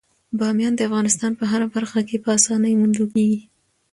بامیان د افغانستان په هره برخه کې په اسانۍ موندل کېږي.